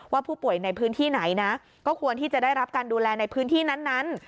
ว่าผู้ป่วยในพื้นที่ไหนนะก็ควรที่จะได้รับการดูแลในพื้นที่นั้น